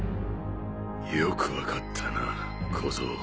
よくわかったな小僧。